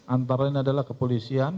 antara ini adalah kepolisian